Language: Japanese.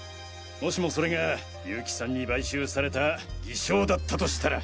もしもそれが結城さんに買収された偽証だったとしたら。